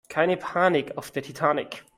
Keine Panik auf der Titanic!